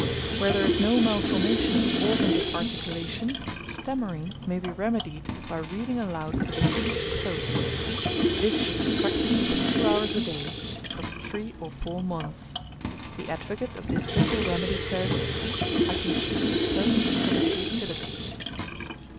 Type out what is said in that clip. Where there is no malformation of the organs of articulation, stammering may be remedied by reading aloud with the teeth closed. This should be practised for two hours a day, for three or four months. The advocate of this simple remedy says, "I can speak with certainty of its utility."